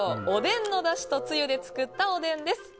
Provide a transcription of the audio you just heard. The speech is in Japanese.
おでんのだしとつゆで作ったおでんです。